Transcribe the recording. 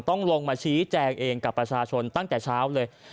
ต้องลงมาชี้แจงเองกับประชาชนตั้งแต่เช้าเลย